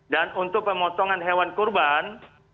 dan untuk pemotongan hewan kurban